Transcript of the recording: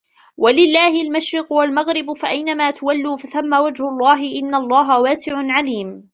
وَلِلَّهِ الْمَشْرِقُ وَالْمَغْرِبُ ۚ فَأَيْنَمَا تُوَلُّوا فَثَمَّ وَجْهُ اللَّهِ ۚ إِنَّ اللَّهَ وَاسِعٌ عَلِيمٌ